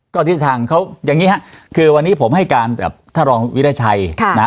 ก็ทิศทางเขาอย่างนี้ฮะคือวันนี้ผมให้การกับท่านรองวิราชัยนะฮะ